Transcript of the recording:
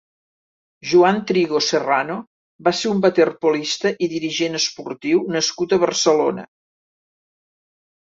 Joan Trigo Serrano va ser un waterpolista i dirigent esportiu nascut a Barcelona.